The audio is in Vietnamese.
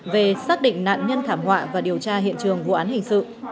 về xác định nạn nhân thảm họa và điều tra hiện trường vụ án hình sự